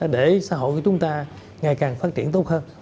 để xã hội của chúng ta ngày càng phát triển tốt hơn